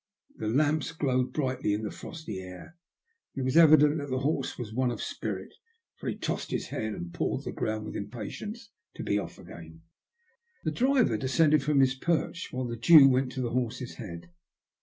The lamps glowed brightly in the frosty air, and it was evident the horse was one of spirit, for he tossed his head and pawed the ground with impatience to be off again. The driver descended from his perch, while the Jew went to the horse's head.